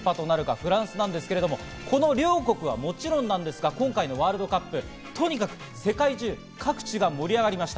フランスですが、この両国はもちろんなんですが、今回のワールドカップ、とにかく世界中各地が盛り上がりました。